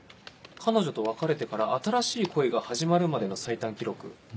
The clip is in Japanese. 彼女と別れてから新しい恋が始まるまでの最短記録何日？